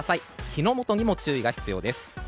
火の元にも注意が必要です。